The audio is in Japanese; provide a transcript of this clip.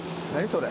それ。